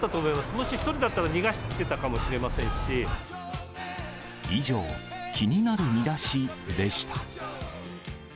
もし１人だったら、逃がしてたか以上、気になるミダシでした。